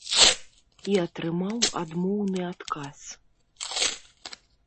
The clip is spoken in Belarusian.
І атрымаў адмоўны адказ.